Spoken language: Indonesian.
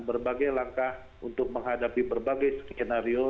berbagai langkah untuk menghadapi berbagai skenario